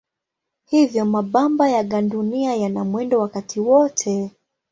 Hivyo mabamba ya gandunia yana mwendo wakati wote.